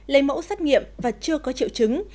lấy mẫu xét nghiệm và chưa có triệu chứng